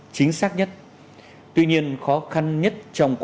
sinh sống trên địa bàn